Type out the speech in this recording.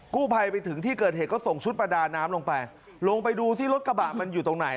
กู้ภัยไปถึงที่เกิดเหตุก็ส่งชุดประดาน้ำลงไปลงไปดูซิรถกระบะมันอยู่ตรงไหน